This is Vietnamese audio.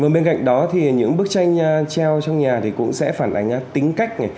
bên cạnh đó những bức tranh treo trong nhà cũng sẽ phản ánh tính cách